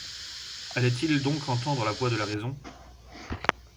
Allait-il donc entendre la voix de la raison ?